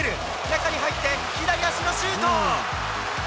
中に入って、左足のシュート。